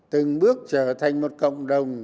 từng bước trở thành một cộng đồng